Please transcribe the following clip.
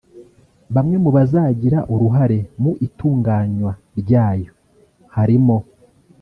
Bamwe mu bazagira uruhare mu itunganywa ryayo harimo